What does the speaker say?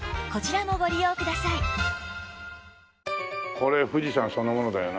これ富士山そのものだよな。